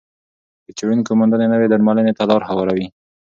د څېړونکو موندنې نوې درملنې ته لار هواروي.